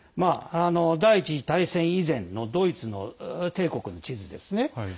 第１次大戦以前のドイツ帝国の地図ですね。